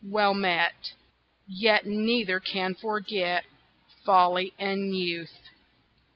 Well met! Yet neither can forget Folly and youth!